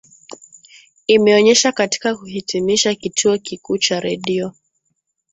imeonyeshwa katika kuhitimisha kituo kikuu cha redio